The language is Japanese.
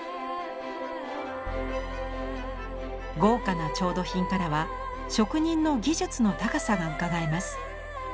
豪華な調度品からは職人の技術の高さがうかがえます。